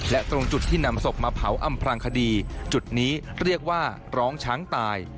และตรงจุดที่นำศพมาเผาอำพรางคดีจุดนี้เรียกว่าร้องช้างตาย